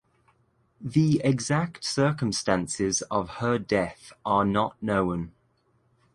The exact circumstances of her death are not known.